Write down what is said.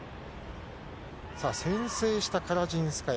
さあ、先制したカラジンスカヤ。